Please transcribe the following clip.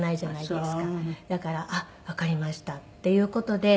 だからあっわかりましたっていう事で。